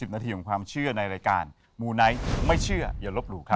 นาทีของความเชื่อในรายการมูไนท์ไม่เชื่ออย่าลบหลู่ครับ